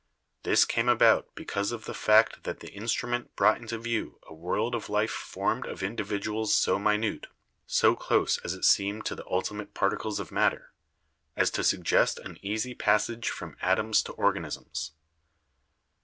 This came about because of the fact that the instrument brought into view a world of life formed of individuals so minute — so close as it seemed to the ultimate particles of matter — as to suggest an easy passage from atoms to organisms.